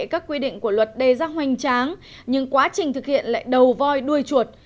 các quy định của luật đề ra hoành tráng nhưng quá trình thực hiện lại đầu voi đuôi chuột